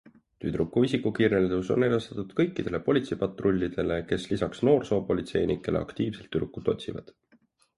Tüdruku isikukirjeldus on edastatud kõikidele politseipatrullidele, kes lisaks noorsoopolitseinikele aktiivselt tüdrukut otsivad.